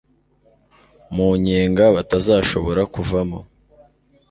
mu nyenga batazashobora kuvamo